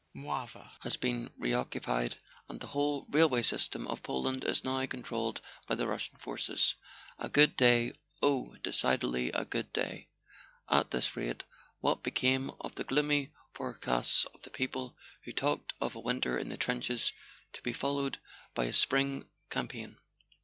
Mlawa has been reoccupied, and the whole railway system of Poland is now controlled by the Russian forces." A good day—oh, decidedly a good day. At this rate, what became of the gloomy forecasts of the people who talked of a winter in the trenches, to be followed by a spring campaign?